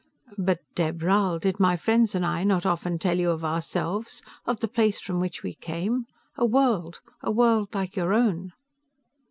"But, Dheb Rhal, did my friends and I not often tell you of ourselves, of the place from which we came? A world, a world like your own?"